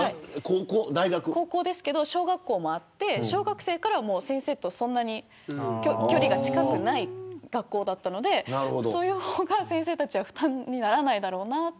高校でしたけど小学校もあって小学生から先生とそんなに距離が近くない学校だったのでそういう方が先生たちは負担にならないだろうと。